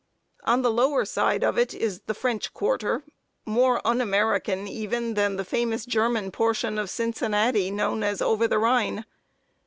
On the lower side of it is the "French Quarter," more un American even than the famous German portion of Cincinnati known as "Over the Rhine."